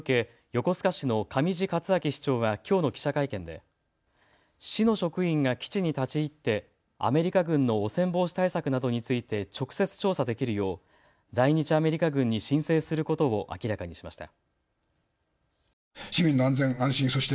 横須賀市の上地克明市長はきょうの記者会見で市の職員が基地に立ち入ってアメリカ軍の汚染防止対策などについて直接調査できるよう在日アメリカ軍に申請することを明らかにしました。